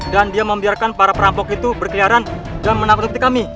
dan dia membiarkan para perampok itu berkeliaran dan menangkap diri kami